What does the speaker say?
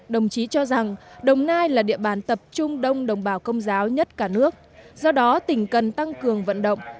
đồng chí cho rằng đồng nai là địa bàn tập trung đông đồng bào công giáo nhất cả nước do đó tỉnh cần tăng cường vận động